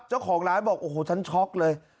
เจ้าของร้านบอกโอ้โหฉันช็อกเลย